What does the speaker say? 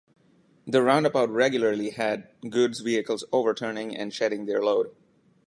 The roundabout regularly had goods vehicles overturning and shedding their load.